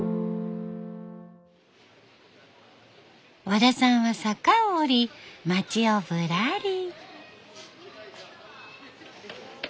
和田さんは坂を下り町をぶらり。